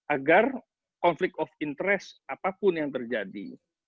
agar konflik of interest apapun yang terjadi